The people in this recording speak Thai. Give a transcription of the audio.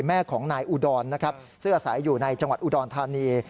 แม่ของนายอุดรนะครับเสื้อสายอยู่ในจังหวัดอุดรธานี